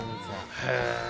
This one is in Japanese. へえ。